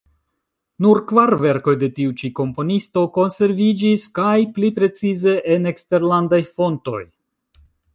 Nur kvar verkoj de tiu ĉi komponisto konserviĝis kaj, pli precize, en eksterlandaj fontoj.